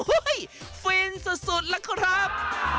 อุ้ยฟินสุดละครับ